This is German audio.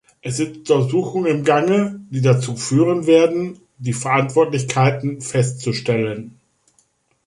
Es sind Untersuchungen im Gange, die dazu führen werden, die Verantwortlichkeiten festzustellen.